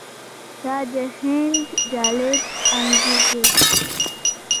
دا د هند جالب انځور دی.